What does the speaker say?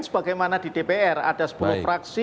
sebagaimana di dpr ada sepuluh fraksi